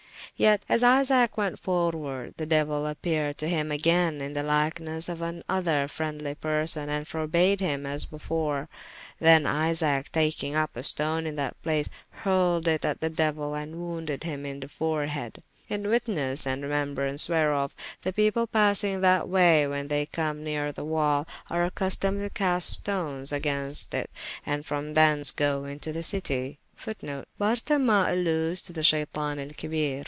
Yet as Isaac went forwarde, the Diuell appeared to hym agayne in the lykenesse of an other frendlye person, and forbade hym as before. Then Isaac taking vp a stone in that place, hurlde it at the Deuyl and wounded him in the forehead: In witnesse and remembraunce whereof, the people passyng that waye when they come neare the wall, are accustomed to cast stones agaynst it, and from thence go into the citie.